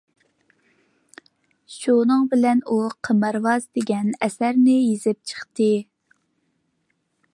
شۇنىڭ بىلەن ئۇ «قىمارۋاز» دېگەن ئەسەرنى يېزىپ چىقتى.